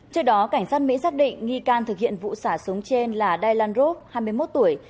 trước đó cảnh sát mỹ xác định nghi can thực hiện vụ xả súng trên là dylan rope hai mươi một tuổi